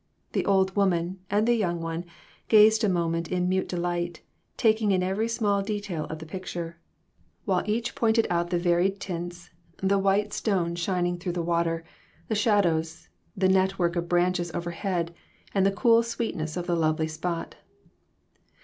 The old woman and the young one gazed a moment in mute delight, taking in every small detail of the picture, RECONCILIATIONS. I2Q while each pointed out the varied tints, the white stones shining through the water, the shadows, the net work of branches overhead, and the cool sweetness of the lovely spot.